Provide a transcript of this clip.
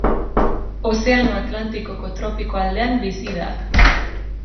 Ozeano Atlantikoko tropiko aldean bizi da.